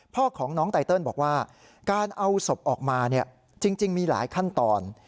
พ่อของน้องไตเติลบอกว่าการเอาศพออกมาจริงมีหลายขั้นตอน